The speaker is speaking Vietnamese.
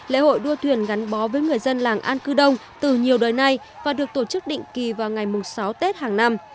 lễ hội đua thuyền gắn bó với người dân làng an cư đông từ nhiều đời nay và được tổ chức định kỳ vào ngày sáu tết hàng năm